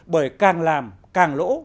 bởi càng làm càng lỗ